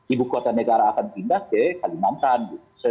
ibu kota negara akan pindah ke kalimantan